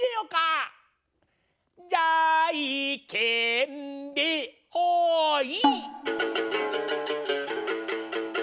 じゃいけんでほい！